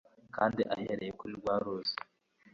kandi ahereye kuri rwa ruzi